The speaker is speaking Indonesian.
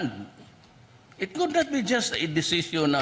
ini tidak hanya keputusan untuk pergi ke mindanao